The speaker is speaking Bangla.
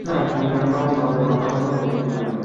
হয়তো সেটাই তোমার দরকার।